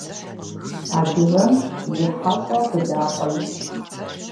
Адыгэм и хьэщӀэ быдапӀэ исщ.